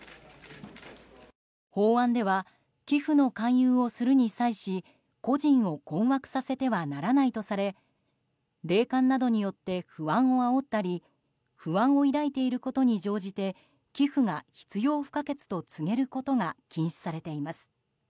法案では寄付の勧誘をするに際し個人を困惑させてはならないとされ霊感などによって不安をあおったり不安を抱いていることに乗じて寄付が必要不可欠と告げることが禁止されています。